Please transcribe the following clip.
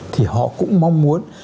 thì họ cũng mong muốn